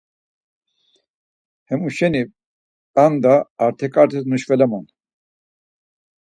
Hemuşeni p̌anda artiǩatis nuşvelaman.